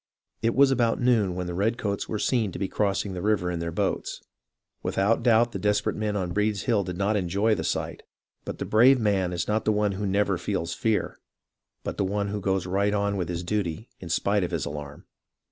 It was about noon when the redcoats were seen to be crossing the river in their boats. Without doubt the desperate men on Breed's Hill did not enjoy the sight ; but the brave man is not the one who never feels fear, but the one who goes right on with his duty in spite of his alarm.